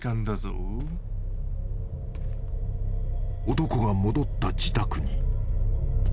［男が戻った自宅に］